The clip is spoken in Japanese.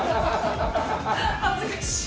恥ずかしい。